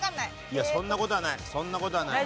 いやそんな事はない。